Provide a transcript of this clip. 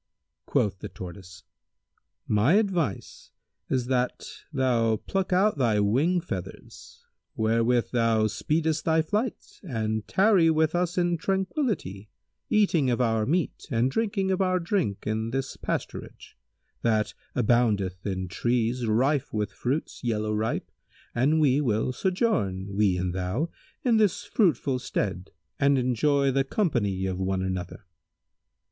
Quoth the Tortoise, "My advice is that thou pluck out thy wing feathers, wherewith thou speedest thy flight, and tarry with us in tranquillity, eating of our meat and drinking of our drink in this pasturage, that aboundeth in trees rife with fruits yellow ripe and we will sojourn, we and thou, in this fruitful stead and enjoy the company of one another."